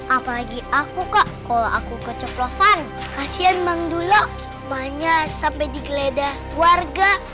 apalagi aku kak kalau aku ke ceplovan kasihan bang duluk banyak sampai di geledah warga